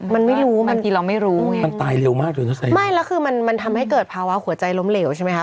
มันไม่รู้บางทีเราไม่รู้ไงมันตายเร็วมากเลยนะสิไม่แล้วคือมันมันทำให้เกิดภาวะหัวใจล้มเหลวใช่ไหมคะ